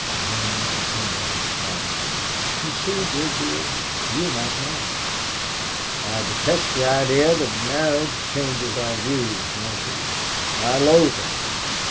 Again Mrs. Pendyce smiled. "You see, Grig dear, you are not married." "I detest the idea that marriage changes our views, Margery; I loathe it."